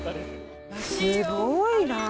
すごいな。